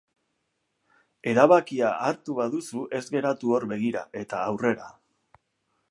Erabakia hartu baduzu ez geratu hor begira eta aurrera.